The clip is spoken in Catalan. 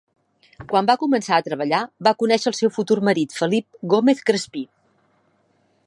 Quan va començar a treballar va conèixer el seu futur marit Felip Gómez Crespí.